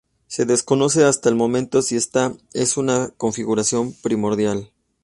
Se desconoce hasta el momento si esta es una configuración primordial.